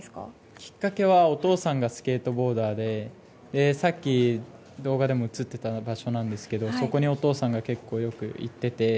きっかけはお父さんがスケートボーダーでさっきの動画に映ってた場所にそこに、お父さんが結構よく行ってて。